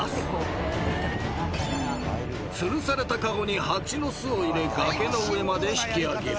［つるされた籠に蜂の巣を入れ崖の上まで引き上げる］